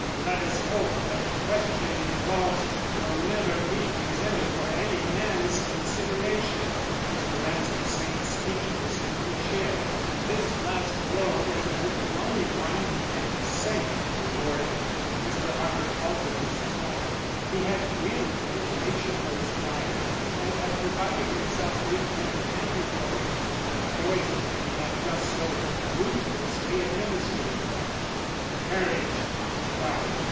Let us hope that the question it involves will never be presented for any man's consideration." Mr. Ransom sank speechless into a chair. This last blow was an overwhelming one and he sank before it. Mr. Harper altered his tone. He had real commiseration for his client and had provided himself with an antidote to the poison he had just so ruthlessly administered. "Courage!" he cried.